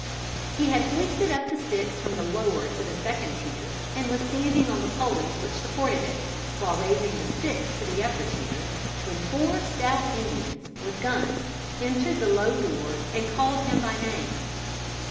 He had hoisted up the sticks from the lower to the second tier, and was standing on the poles which supported it, while raising the sticks to the upper tier, when four stout Indians, with guns, entered the low door and called him by name.